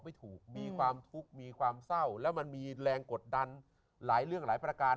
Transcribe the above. ไม่ถูกมีความทุกข์มีความเศร้าแล้วมันมีแรงกดดันหลายเรื่องหลายประการ